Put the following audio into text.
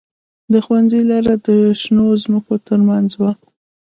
د ښوونځي لاره د شنو ځمکو ترمنځ وه